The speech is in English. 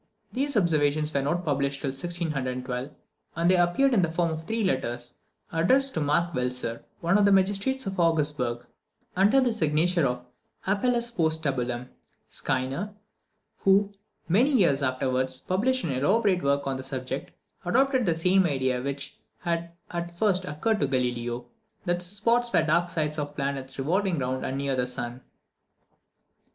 These observations were not published till January 1612; and they appeared in the form of three letters, addressed to Mark Velser, one of the magistrates of Augsburg, under the signature of Appelles post Tabulam. Scheiner, who, many years afterwards, published an elaborate work on the subject, adopted the same idea which had at first occurred to Galileo that the spots were the dark sides of planets revolving round and near the sun.